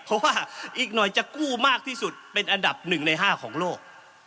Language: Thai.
เพราะว่าอีกหน่อยจะกู้มากที่สุดเป็นอันดับ๑ใน๕ของโลก